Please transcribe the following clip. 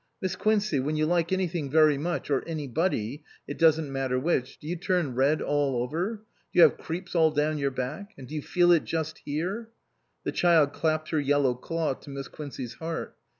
Miss Quincey when you like anything very much or anybody it doesn't matter which do you turn red all over ? Do you have creeps all down your back ? And do you feel it just here ?" The child clapped her yellow claw to Miss Quincey's heart.